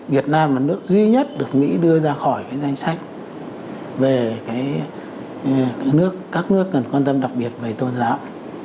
việt nam là nước duy nhất được mỹ đưa ra khỏi danh sách về các nước các nước cần quan tâm đặc biệt về tôn giáo